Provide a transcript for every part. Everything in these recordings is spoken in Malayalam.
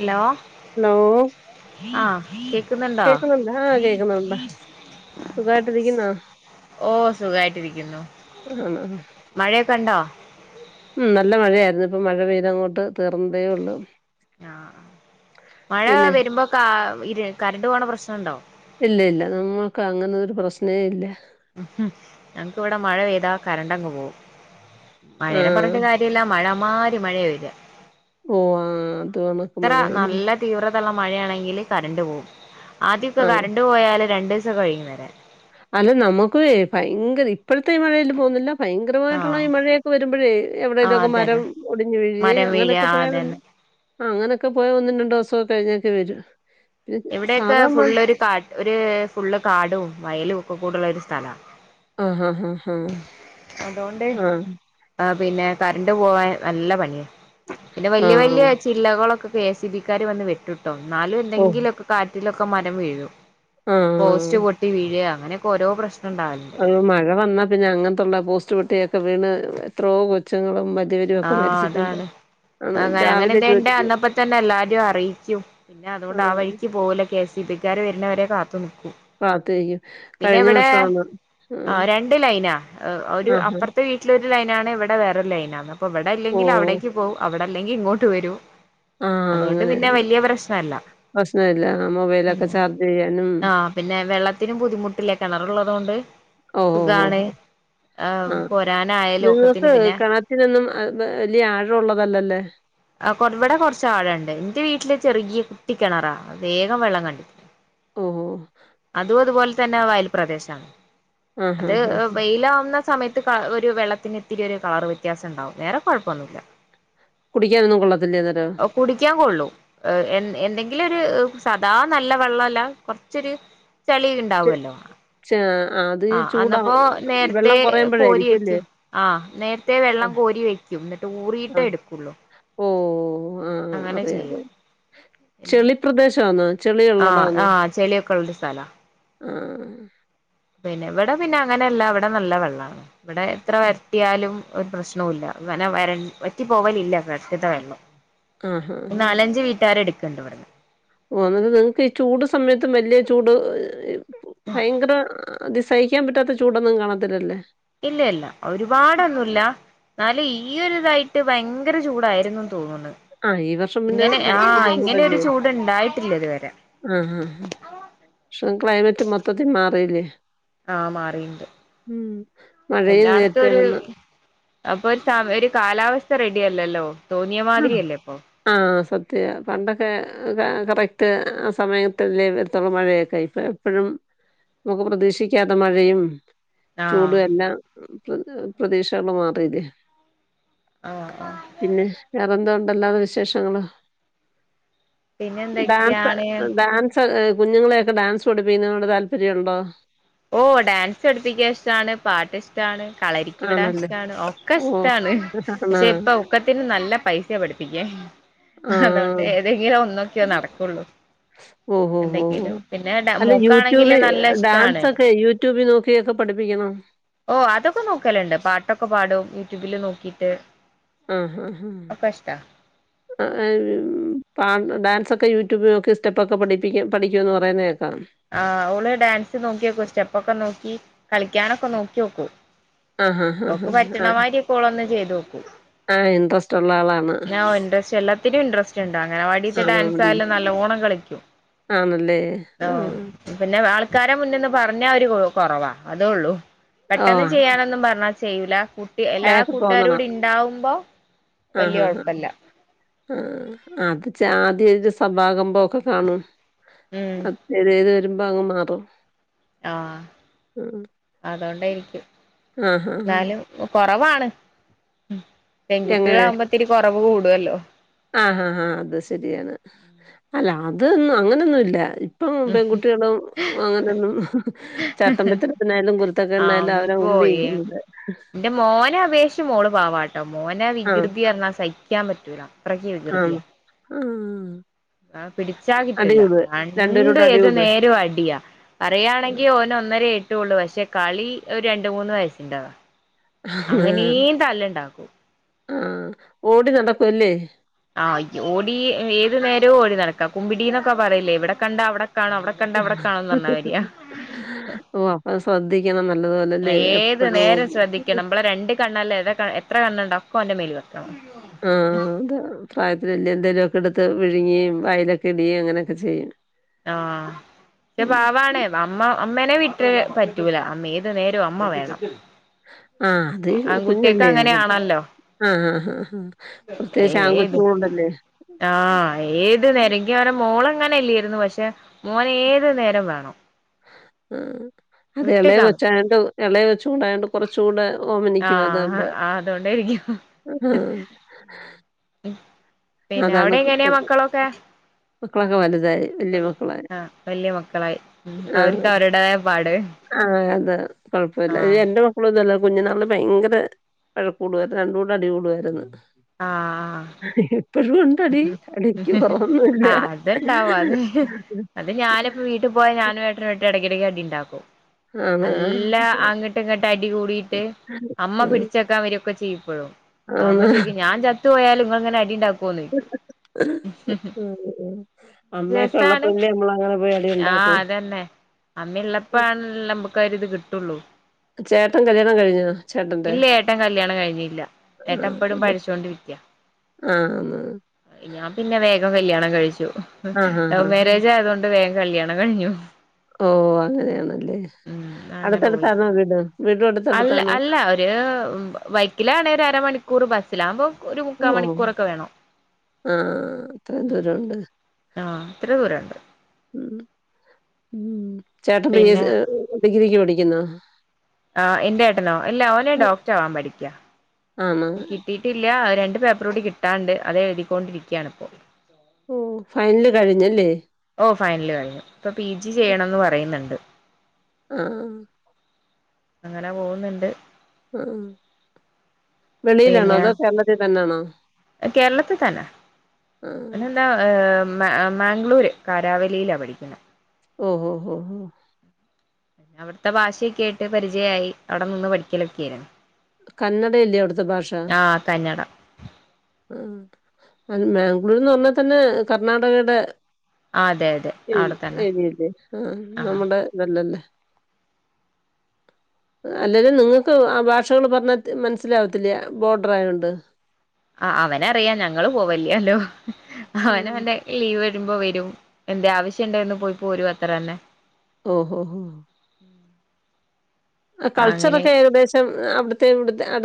Hello hello? ആഹ് കേക്കുന്നുണ്ടോ? കേക്കുന്നുണ്ട് സുഖായിട്ടരിക്കുന്നോ? ഓ സുഖായിട്ടിരിക്കുന്നു ആണോ മഴയൊക്കെണ്ടോ? ഉം നല്ല മഴയായിരുന്നു ഇപ്പം മഴ പെയ്ത അങ്ങോട്ട് തീർന്നതേ ഉള്ളൂ. ആഹ് മഴ പിന്നെ വരുമ്പോ കാ ഇരു കറണ്ട് പോണ പ്രശ്നുണ്ടോ? ഇല്ല ഇല്ല നമ്മക്ക് അങ്ങനൊരു പ്രശ്നേ ഇല്ല. ഞക്ക് ഇവ്ടെ മഴ പെയ്താ കരണ്ടങ്ങ് പോവും മഴേനെ ആഹ് പറഞ്ഞിട്ട് കാര്യ ഇല്ല മഴ മാരി മഴയ വരാ ഓഹ് ആഹ് അതു ആണ് വട നല്ല തീവ്രതള്ള മഴയാണെങ്കില് കറണ്ട് പോവും ആദ്യക്കെ ആഹ് കറൺ പോയാല് രണ്ടു ദിവസം കഴിയുവരാൻ. അല്ല നമുക്കു എ ഭയങ്കര ഇപ്പോഴത്തെ ഈ മഴെല് പോന്നില്ല. ഭയങ്കരമായിട്ടുള്ള ഈ ആഹ് മഴയൊക്കെ വരുമ്പോഴേ ആഹ് എവിടെടേലൊക്കെ മരം അതന്നെ ഒടിഞ്ഞു വീഴേ മരം വീഴ അങ്ങനെയൊക്കെ ആഹ് പോയ അതന്നെ പിന്നെ ആഹ് അങ്ങനൊക്കെ പോയ ഒന്നു രണ്ട്വസൊ കഴിഞ്ഞൊക്കെ വരു. എവിടെയൊക്കെ ഫുള്ളൊരു കാട്ട് ഒരു ഫുള്ള് കാടും വയലു ഒക്കെ കൂടെള്ള ഒരു സ്ഥലാ. ആഹ ഹഹ ആഹ്. ആഹ് പിന്നെ കരണ്ട്പോവാൻ നല്ല പണിയ പിന്നെ വല്യ ആഹ് വല്യ. ചില്ലകളൊക്കെ കെ സി ബിക്കാര് വന്ന് വെട്ടുട്ടോ ന്നാലു ഓഹ് എന്തെങ്കിലൊക്കെ കാറ്റിലൊക്കെ മരം വീഴും. പോസ്റ്റ് ആഹ് പൊട്ടി വീഴെ അങ്ങനെയൊക്കെഓരോ പ്രശ്നണ്ടാവല്. അത് മഴ വന്നാ പിന്നെ അങ്ങനത്തുള്ള പോസ്റ്റ് പെട്ടിയൊക്കെ വീണ് എത്രയോ കൊ ച്ച്ങ്ങളും മദ്യപരും ആ ഒക്കെ മരിച്ചിട്ടുണ്ട് അതാണ് ആണ് അങ്ങനെ രാവിലെ തേണ്ട ജോലിക്ക് അന്നപ്പോ തന്നെ എല്ലാരെയും അറിയിക്കും പിന്നെ അതുകൊണ്ട് ആ ആഹ് വഴിക്ക് പോകൂല കേസ് ബി ക്കാർ വരുന്നവരെ കാത്തു നിക്കൂ കാത്തിരിക്കും. പിന്നെ കഴിഞ്ഞ ഇവിടെ വർഷമാണ് ആഹ് രണ്ട് ലൈനാ ഒരു ആഹാ. അപ്പുറത്തെ വീട്ട ലൊരു ലൈന ആണ് ഇവിടെ വേറൊരു ലൈന ആന്ന് അപ്പൊ ഇവിടെ ഇല്ലെങ്കിൽ ഓഹ്. അവിടേക്ക് പോവും അവിടെ അല്ലെങ്കിൽ ഇങ്ങോട്ട് വരൂ ആഹ് അതുകൊണ്ട് പിന്നെ അങ്ങനെയാണ്. വലിയ പ്രശ്നല്ല പ്രശ്നമില്ല. ആ ഉം മൊബൈലൊക്കെ ചാർജ് ചെയ്യാനും ആഹ് പിന്നെ വെള്ളത്തിനും ബുദ്ധിമുട്ടില്ല കെണറ്ള്ളതുകൊണ്ട് ഓഹ് ഓഹ് സുഖാണ് ഓഹ് ഓഹ്. ആ പൊരാനായ ലോക്കത്തിന് പിന്നെ റ്റിനോന്നും വലിയ ആഴള്ളതല്ലല്ലേ ആ കൊ ഇവിടെ കൊറച്ച് ആഴണ്ട് എന്റെ വീട്ടില് ചെറിയ കുട്ടിക്കിണറാ വേഗം വെള്ളം കണ്ട്‌ ഓ അതും അതുപോലെ തന്നെ വയൽ പ്രദേശാണ് അത് ആഹാഹാ. വെയില ആവുന്ന സമയത്ത് കാ ഒരു വെള്ളത്തിത്തിരി ഒരു കളർ വ്യത്യാസം ഇണ്ടാവും വേറെ കൊഴപ്പൊന്നുമില്ല കുടിക്കാനൊന്നും കൊള്ളത്തില്ലേ അന്നരോ കുടിക്കാൻ കൊള്ളൂ എ എന്തെങ്കിലും ഒരു സാദാ നല്ല വെള്ളംല്ല കുറച്ചൊരു ചെളി ചെ ഇണ്ടാവല്ലോ ചെ ആ അത് ഈ ആഹ് ചൂടാ അന്നപ്പോ നേരത്തെ വെള്ളം കോരി കുറയുമ്പോഴായിരിക്കും അല്ലേ? വെക്കു ആഹ് നേര ത്തെ വെള്ളം ആഹ് കോരി വയ്ക്കും എന്നിട്ട് ഊറിട്ടേ ആഹ്. എടുക്കുള്ളൂ ഓഹ്! ആഹ് അങ്ങനെ ചെയ്യും പ്രദേശ ആന്ന് ആഹ ആഹ ചെളിയൊക്കെ ഉള്ള ഒരു സ്ഥല ആഹ് പിന്നെ ഇവിടെ പിന്നെ അങ്ങനെയല്ല ഇവിടെ നല്ല വെള്ളമാണ് ഇവിടെ എത്ര വ കിട്ടിയാലും ഒരു പ്രശ്നവല്ല ങ്ങനെ വര വറ്റി പോവലില്ല കറ്റിത്തെ വെള്ളം ആഹാ! ഹാ! നാലഞ്ച് വീട്ടുകാര എടുക്കണ്ട് ഇവട്ന്ന് ഓ ന്നിട്ട് നിങ്ങക്ക് ഈ ചൂട് സമയത്തും വലിയ ചൂട് ഇ ഭയങ്കര ഹ് അത് സഹിക്കാൻ പറ്റാത്ത ചൂടൊന്നും കാണത്തില്ലല്ലേ ഇല്ല ഇല്ല ഒരുപാടൊന്നുംല്ല ന്നാലും ഈരിതായിട്ട് ഭയങ്കര ചൂടായിരുന്നുന്ന് തോന്നുന്നു ആഹ് ഈ വർഷം പിന്നെ ഇങ്ങനെ ആഹ ഭയങ്കര ഇങ്ങനെരു ചൂടല്ലേ? ചൂട്ണ്ടായിട്ടില്ല ഇതുവരെ ആഹ് ആഹ പക്ഷം ക്ലൈമറ്റ് മൊത്തത്തിൽ മാറിയില്ലേ ആഹ് മാറിണ്ട് ഉ മഴയും എല്ലായിടത്തും ഒരു നേരത്തൊണ് അപ്പൊ ഒരു ഒരു കാലാവസ്ഥ റെഡിയല്ലല്ലോ തോന്നിയ ആഹ്. മാതിരിയല്ലേ അപ്പൊ ആഹ് സത്യ പണ്ടൊക്കെ കറക്റ്റ് ആ സമയത്തല്ലേ വരത്തുള്ള മഴയൊക്കെ ഇപ്പം പ്പോഴും നമുക്ക് പ്രതീക്ഷിക്കാത്ത മഴയും ആഹ് ചൂട് എല്ലാ പ്ര പ്രദിശകളും മാറില്ലേ ആഹ് ആഹ് പിന്നെ വേറെന്തോ ഉണ്ടല്ലാതെ വിശേഷങ്ങളോ പിന്നെ ഡാൻസ് എന്തൊക്കെയാണ് ഡാൻസ് ഹെ കുഞ്ഞുങ്ങളെയൊക്കെ ഡാൻസ് പടുപ്പിക്കുന്നോട് താല്പര്യംണ്ടോ ഓ ഡാൻസ് പടുപ്പിക്ക ഇഷ്ടാണ് പാട്ട് റ്റന് കളരിക്ക് വിടാൻ ആണല്ലേ. ഇഷ്ടാണ് ഒക്കെ ഓഹ്. ഇഷ്ടമാണ് ആണോ? പക്ഷെ ഇപ്പൊ ഒക്കത്തിനും നല്ല പൈസ പഠിപ്പികാന് അതുകൊണ്ട് ആഹ്. ഏതെങ്കിലും ഒന്നൊക്കെയോ നടക്കുള്ളൂ ഓ ഓ ഓ എന്തെങ്കിലും പിന്നെ ഡ അല്ല യൂടൂബ മോക്കാണെങ്കില് നല്ല ഡാൻസ ഇഷ്ടാണ് ഒക്കെ യ ട്യൂബ് നോക്കിയൊക്കെ പഠിപ്പിക്കണം ഓ അതൊക്കെ നോക്കലുണ്ട് പട്ടൊക്കെ പാടും യൂട്യൂബില് നോക്കിയിട്ട് ആഹ ആഹ ആഹ [unintelligible] പ ഡാൻസ് ഒക്കെ യൂട്യൂബില നോക്കി സ്റ്റെപ്പക്കെ പഠിപ്പിക്ക പഠിക്കു ന്ന് പറയുന്നതേക്കാ ആഹ ഓള് ഡാൻസ് നോക്കിക്കു സ്റ്റെപ്പൊക്കെ നോക്കി കളിക്കാനൊക്കെ നോക്കി നോക്കൂ ആഹ് ആഹ് ഓക്ക് ആഹ് പറ്റണ ആഹ്. മാതിരി ഒളൊന്ന് ചെയ്തു നോക്കൂ ഇന്ട്രെസ്റ് ള്ള ആളാണ് ഞാ ഓഹ് ഇൻറ്രസ്റ്റ് എല്ലത്തിനും ഇൻറ്രസ്റ്റ് ഇണ്ട് അംഗൺവാടിത്തെ ഡാൻസ് ആയാലും നല്ലോണം കളിക്കും. ആണ്ല്ലേ. ഓഹ് പിന്നെ ആൾക്കാരെ മുന്ന്ന്ന് പറഞ്ഞ ഒര് കൊറവാ അതള്ളൂ. പെട്ടെന്ന് ഓഹ്! ചെയ്യാനൊന്നും പറഞ്ഞാ ചെയ്യൂല. കുട്ടി എല്ലാ അയാൾക്ക് കൂട്ടുകാരും തോന്നണം. കൂടെ ഇണ്ടാവുമ്പോ ആഹ് വല്യ ആഹ് ആഹ്. കൊഴപ്പല്ല. ആഹ് അത് ച്ച [unintelligible] കാണും. ഉം ഇത് ഏത് വരുമ്പോ അങ്ങ് മാറും ആഹ് ഉം. അതുകൊണ്ടേരിക്കും ആഹ് ആഹ് ആഹ്. ന്നാലും കൊറവാണ് എങ്ങനെ? പെൺകുട്ടികളാകുമ്പോ ത്തിരി കൊറവ് കൂടുല്ലോ ആഹ് ആഹ് ആഹാ അത് ശരിയാണ് അല്ല അതൊന്നും അങ്ങനെയൊന്നുല്ല പ്പം പെൺകുട്ട്യാളും അങ്ങനെന്നും ചട്ടമ്പിത്തരത്തിനായാലും കുരുത്തക്കേടിനായാലും അവര മുമ്പിനിക്കുന്നത് ന്റെ മോനെ അപേക്ഷിച്ച് മോള് പാവാട്ടോ മോനെ ആഹ് വികൃതിർഞ്ഞാൽ സഹിക്കാൻ പറ്റൂല അത്രക്ക് ആഹ് ആഹാ ആ പിടിച്ചാ കിട്ടില്ല രണ്ടും രണ്ടുപേരൂടെ ഏത് അടികൂടും. നേരും അടിയാ പറയാണെങ്കി ഓന ഒന്നരേ ട്ടൊള്ളു പക്ഷെ കളി ഒരു രണ്ട് മൂന്ന് വയസ്സിന്റെതാ ആഹ് അങ്ങനേം തല്ലുണ്ടാക്കും ആഹ് ഓടി നടക്കുംല്ലേ ആഹ് ഓടി ഏതു നേരവും ഓടി നടക്കാ കുമ്പിടീന്നൊക്കെ പറയില്ലേ ഇവിടെ കണ്ട അവിടെ കാണോ അവിടെ കണ്ട വിടെ കാണോന്നർഞ്ഞായ്ര്യാ ഓ അപ്പൊ ശ്രദ്ധിക്കണം നല്ലതുപോലെല്ലേ ഏത് എപ്പഴും നേരം ശ്രദ്ധിക്കണം നമ്മളെ രണ്ട് കണ്ണല്ല എത്ര കണ്ണുണ്ണ്ടാേക്കെ ഓന്റെ മേൽ വെക്കണം ആഹ് അത പ്രായത്തി വല്യ എന്തേലുമൊക്കെ എടുത്ത് വിഴിങ്ങുകയും വയലൊക്കെ ഇടിയും അങ്ങനെയൊക്കെ ചെയ്യും ആഹാ ക്ഷെ ഉം. പാവാണ് നമ്മ അമ്മേനെ വിട്ട് പറ്റൂല അമ്മ ഏത് നേരവും അമ്മ വേണം ആഹാ അത് ആൺകുട്ടിയക്ക് കുഞ്ഞല്ലേ അതിനിപ്പ അങ്ങനെയാണല്ലോ ആഹാ ആഹാ ആഹ് പ്രത്യേകിച്ച് ആങ്കുച്ചുകൂടെല്ലെ ആഹാ ഏത് നേരം എങ്ക ങ്ങനെ മോള് അങ്ങനെ ഇല്ലയ്രുന്നു പക്ഷെ മോന് ഏത് നേരം വേണം ആഹ് അതെ എളയെ വിട്ടേക്കാൻ പറ്റൂല കൊച്ചായാേണ്ട് എളയെ കൊച്യടായോണ്ട് കൊറച്ചുടെ ഓമനിക്കും ആഹ് അതൊണ്ട് അതുകൊണ്ടായിരിക്കും ആഹ് ഉം പിന്നെ അവിടെ എങ്ങനെയാ കുത്തക- മക്കളൊക്കെ മക്കളൊക്കെ വലുതായി വല്യ മക്കളായി. ആഹ് വല്യ മക്കളായി ആ. അവർക്ക് അവരുടതായ പാട് ആഹ് അത് കുഴപ്പ്യല്ല ആഹ് എന്റെ പ്പളൊന്നല്ല കുഞ്ഞുിനാളിൽ ഭയങ്കര വഴകൂട്ടായ്ര്ന്നു രണ്ട് കൂടെ അടി കൂടായ്രുന്നു ആഹ് ഇപ്പഴും ഉം ടി അടിക്കും കൊറവൊന്നുല്ല ആഹ് അത്ണ്ടാവും ട്ട് പോയാ ഞാനും ഏട്ടനും ആയിട്ട് ഇടയ്ക്കിടക്ക് അടിണ്ടാക്കും ആണ് നല്ല അങ്ങട്ട് ഇങ്ങട്ട് അടി കൂടിയിട്ട് അമ്മ പിടിച്ചെക്കാൻ വരൊക്കെ ചെയ്യും പ്പോഴും അപ്പൊ ആഹ് അമ്മ ആണ് ചോയ്ക്കും ഞാൻ ചത്തു പോയാലും ഇങ്ങൾ ഇങ്ങനെ അടിണ്ടാക്കോന്ന് ചോയ്ക്കും ഉം. അമ്മയൊക്കെ രസാണ് ഉള്ളപ്പോഴല്ലേ നമ്മളങ്ങനെ പോയി അടി ആഹ് ഉണ്ടാക്കൂ അതന്നെ അമ്മ ള്ളപ്പോ ആണ് ല്ല നമ്മൊക്കൊരിത് കിട്ടൊള്ളൂ ചേട്ടൻ കല്യാണം കഴിഞ്ഞോ ചേട്ടന്റെ ഇല്ല്യഏട്ടൻ കല്യാണം കഴിഞ്ഞില്ല ഏട്ടൻപ്പഴും പഠിച്ചോണ്ട് ര്ക്ക്യ ആഹാ ഞാൻ പിന്നെ വേഗം കല്യാണം കഴിച്ചു ആഹ് ആഹ് ലവ് ആഹ് ആഹ് മാരേജ് ആയതൊണ്ട് ണ്ട് വേഗം കല്യാണം കഴിഞ്ഞു ഓഹ് അങ്ങനെയാണല്ലേ ഉം അങ്ങനെ പോയി അടുത്തടുത്താണോ വീട് വീടും അടുത്തടുത്താണോ രു ബൈക്കിലാണെ ഒരു അരമണിക്കൂർ ക്കൂറ് ബസ്സിലാവുമ്പോ ഒരു മുക്കാൽ മണിക്കൂറൊക്കെ വേണം ആഹാ അത്രയും ഉം ദൂരംണ്ട് ആഹ് ഇത്ര ദൂരംണ്ട് ഉം ഉം ചേട്ടൻ പ പിന്നെ ഡിഗ്രിക്ക് പടിക്കുന്നോ ആഹാ എന്റെ ഏട്ടനോ ഇല്ല അവനെ ഡോക്ടർവാൻ പഠിക്ക ആണോ കിട്ടീട്ടില്ല രണ്ട് പേപ്പർ കൂടി കിട്ടാണ്ട് അത എഴുതിക്കൊണ്ടിരിക്കുകയാണ്ഇപ്പോൾ ഓ ഫൈനല് കഴിഞ്ഞല്ലേ ഓഹ് ഫൈനലി കയ്ഞ്ഞു ഇപ്പൊ പി ജി ചെയ്യണംന്ന് പറയുന്നുണ്ട് ആഹ് അങ്ങനെ പോകുന്നുണ്ട് ആഹ് വെളിയിലാണോ അതോ കേരളത്തിൽ തന്നെയാണോ കേരളത്തി ത്തന്നെ ആഹ് ഒഹ് എന്താ മാംഗ്ലൂര് കാരാവലിയിലാ പഠിക്കുന്നത് ഓഹ് ഓഹ് ഓഹ് അവിടുത്തെ ഭാഷയൊക്കെ ആയിട്ട് പരിചയായി അവിടെ നിന്ന് പഠിക്കലൊക്കെ ആയിരുന്നു കന്നഡയില്ലേ അവിടുത്തെ ഭാഷ ആഹ് കന്നഡ ഉം ബാംഗ്ലൂർന്ന് പറഞ്ഞാൽ തന്നെ കർണാടകയുടെ ആ അതെ അതെ അവിടെത്തന്നെ ഏരിയല്ല ആഹ് ആ നമ്മുടെ അല്ലല്ലേ അല്ലല്ല നിങ്ങൾക്ക് ആ ഭാഷ ഭക്ഷങ്ങൾ പറഞ്ഞാൽ മനസ്സിലാവത്തില്ലേ ബോർഡർ ആയതുകൊണ്ട് ആ അവന് അറിയാം ഞങ്ങള് പോവല്ലല്ലോ അവന ആഹ് വെ ലീവ് വരുമ്പോ വരും എന്തേ ആവശ്യം ഉണ്ട എന്ന് പോയി പോ പോരും അത്ര തന്നെ ഓഹ് ഓഹ് ഓഹ് അങ്ങനെ കൾച്ചറൊക്കെ ഏകദേശം അവിടത്തെ ഇവിടു അ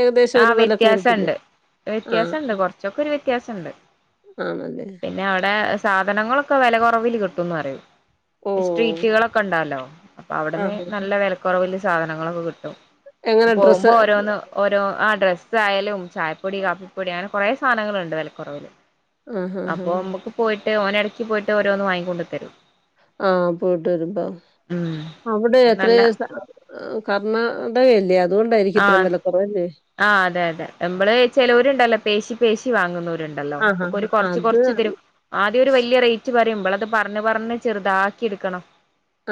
ഏകദേശം ആ ഒരുപോലൊക്കെ വരത്തില്ലേ വ്യത്യാസണ്ട് ആഹ് വ്യത്യാസണ്ട് കൊറച്ചൊക്കെ ഒരു വ്യത്യാസണ്ട് ആണല്ലെ പിന്നെ അവിടെ സാധനങ്ങളൊക്കെ വെല കൊറവില് കിട്ടുംന്ന് പ അറയും ഓഹ് സ്ട്രീറ്റുകളൊക്കെ ഉണ്ടാലോ അപ്പൊ അവിടുന്ന് ആഹാ നല്ല വിലക്കുറവില് സാധനങ്ങളൊക്കെ കിട്ടും എങ്ങനെ പോകുമ്പോ ഡ്രസ്സ് ഓരോന്ന് ഓരോ ആ ഡ്രസ്സയാലും ചായപ്പൊടി കാപ്പിപ്പൊടി അങ്ങനെ കുറെ സാധനങ്ങളൾണ്ട് വിലക്കുറവില് ആഹാഹാ അപ്പൊ നമ്മുക്ക് പോയിട്ട് ഓന ഇടക്ക് പോയിട്ട് ഓരോന്ന് വാങ്ങിക്കൊണ്ട് തരും ആഹ് പോയിട്ട് വരുമ്പോ ഉം അവിടെ എത്ര നല്ല ആഹ് കർണാടകയല്ലേ അതുകൊണ്ടായിരിക്കും ഇത്രം ആഹ് വിലക്കുറവല്ലേ ആഹ് അതെ അതെ നമ്മള് ചിലവരുണ്ടല്ലോ പേശി പേശി വാങ്ങുന്നവരുണ്ട് ഉണ്ടല്ലോ അപ്പൊ ആഹാഹാ ഒരു കുറച്ച് അത് കൊറച്ച് തരും ആദ്യം ഒരു വലിയ റേറ്റ് പറയുമ്പോൾ അത് പറഞ്ഞ് പറഞ്ഞ് ചെറുതാക്കി എടുക്കണം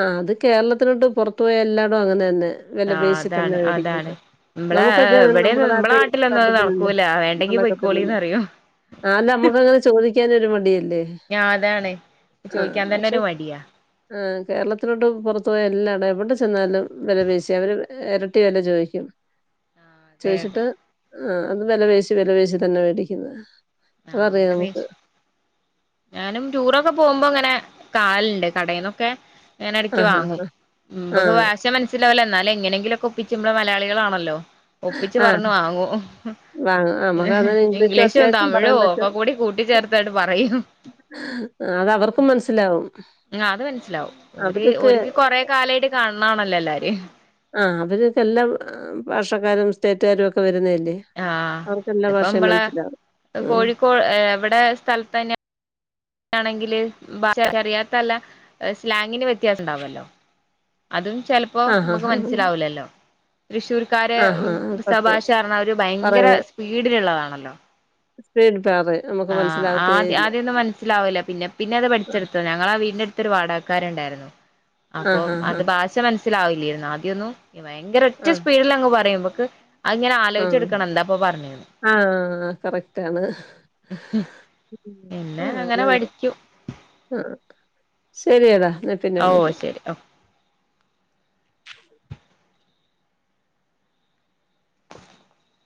ആഹ് അത് കേരളത്തിനോട്ട് പുറത്തു പോയ എല്ലാടും അങ്ങനെ തന്നെ വില ആഹ് പേശിതന്നെ അതാണ് വേടിക്കുന്നത് അതാണ് നമ്മളെ നമുക്കൊക്കെ അത് നമ്മുടെ ഇവിടെയൊന്നും നാട്ട നമ്മളെ നാട്ടിലൊന്നും അത് കട്ടിപ്പുന്നുണ്ട് നടക്കൂല വേണ്ടെങ്കി അക്കത്തിണ്ട് പൊയ്ക്കോളിന്ന് പറയും ആഹ് അല്ല നമ്മക്കങ്ങനെ ചോദിക്കാൻ ഒരു മടിയല്ലേ ഞാൻ അതാണ് ആഹ് ചോയ്ക്കാൻ തന്നെ പക്ഷെ ഒരു മടിയാ ആഹ് കേരളത്തിലോട്ട് പുറത്ത് പോയ എല്ലാംട എവിടെ ചെന്നാലും വില പേശി അവർ ഇരട്ടി വില ചോദിക്കും ആഹ് അതെ അതെ ചോയിച്ചിട്ട് ആഹ് അത് വില വേശി വിലവേശി തന്നെ മേടിക്കുന്നത് അതറിയാം നമുക്ക് ആഹ് [unintelligible] ഞാനും ടൂറൊക്കെ പോകുമ്പോ അങ്ങനെ കാലുണ്ട് കടയിൽന്നൊക്കെ ങ്ങന ഇടക്ക് ആഹാ വാങ്ങും മുമ്പ് ആഹ് ഭാഷ എന്നാലും എങ്ങനെങ്കിലൊക്കെ ഒപ്പിച് നമ്മൾ മലയാളികളാണല്ലോ ഒപ്പിച്ച് ആഹ് പറഞ്ഞു വാങ്ങോ വാങ്ങും ആഹ് നമുക്ക് അങ്ങനെ ഇംഗ്ലീഷും അത്യാവശ്യം തമിയും എഴ പറയാൻ ക്ക പറ്റും കൂടി കൂട്ടിച്ചേർത്തായിട്ട് പറയും അത് അവർക്കും മനസ്സിലാവും അത് മനസ്സിലാവും ഒര് അവർക്ക് ഒരിക്ക് കൊറെേ കാലമായിട്ട് കാണണാണല്ലോ എല്ലാരും ആഹ് അവരൊക്കെ എല്ലാ ഭാഷക്കാരും സ്റ്റേറ്റുകാരും ഒക്കെ വരുന്നല്ലേ ആഹ് ഇതിപ്പോ നമ്മളെ ഉം കോഴിക്കോട് എവിടെ സ്ഥലത്ത്ന്നെയ ആണെങ്കില് അറിയാത്തല്ല സ്ലാങ്ങിന് വ്യത്യാസം ഉണ്ടാവല്ലോ. അതും ചിലപ്പോ ആഹ് നമുക്ക് ആഹ് മനസ്സിലാവൂലല്ലോ തൃശ്ശൂർ ക്കാരെ ആഹ് ആഹ് ആഹ് സത്യം സഭാശരണം അവര് ഭയങ്കര പറയാ സ്പീഡിലുള്ളതാണല്ലോ?. സ്പീഡ് പാറ ആഹ്. ആദ്യ ആദ്യൊന്നും മൻസ്സിലാവൂല പിന്നെ പിന്നെ അത് പഠിച്ചെടുത്തോ?. ഞങ്ങളാ ആ വീടിന്റെ അട്ത്തൊരു വാടകക്കാരുണ്ടായിരുന്നു അപ്പൊ ആഹ് ആഹ് അത് ആഹ് ഭാഷ മൻ സ്സിലാവില്ല്യായിരുന്നുആദ്യൊന്നും. ക്കി ഭയങ്കര ഒറ്റ ആഹ് സ്പീട്ലങ്ങ് പറയും മ്മക്ക് അഹ്ങ്ങനെ ആലോച്ചെട്ക്കണം എന്താപ്പൊ പർഞ്ഞേന്ന്. ആഹ് ആഹ് ആഹ് കറക്റ്റാണ്. പിന്നെ ആഹ് അങ്ങനെ ന്നാ പഠിക്കും ആഹ് ശെരിയെടാ. ന്നാ പിന്നെ ഓ വിളിക്കാ ശരി ഓ